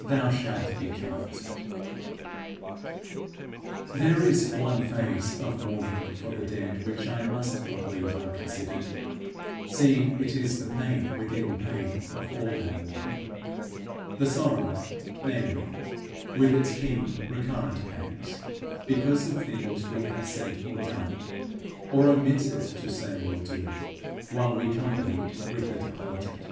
Thou shalt be comforted. There is one phase of our mourning for the dead which I must not leave unconsidered, seeing it is the pain within pain of all our mourning the sorrow, namely, with its keen recurrent pangs because of things we have said or done, or omitted to say or do, while we companied with the departed.